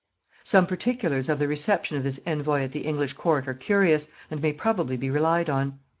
Some particulars of the reception of this envoy at the English court are curious, and may probably be relied on.